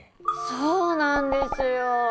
そうなんですよ。